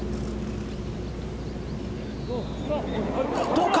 どうか。